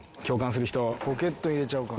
ポケット入れちゃうから。